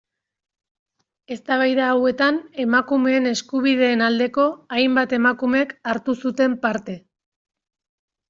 Eztabaida hauetan emakumeen eskubideen aldeko hainbat emakumek hartu zuten parte.